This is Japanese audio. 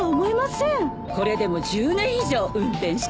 これでも１０年以上運転してます。